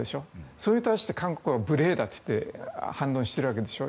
それに対して韓国は無礼だと言って反論しているわけでしょ。